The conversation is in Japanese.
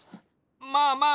まあまあ。